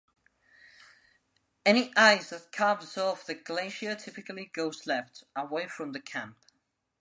Any ice that calves off the glacier typically goes left, away from the camp.